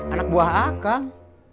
anak buah akang